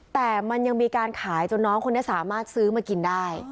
แต่มันยังมีการขายจนน้องคนนี้สามารถซื้อมากินได้